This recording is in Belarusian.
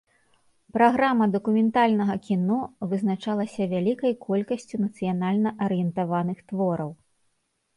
Праграма дакументальнага кіно вызначалася вялікай колькасцю нацыянальна арыентаваных твораў.